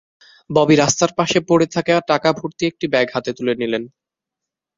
ববি রাস্তার পাশে পড়ে থাকা টাকাভর্তি একটি ব্যাগ হাতে তুলে নিলেন।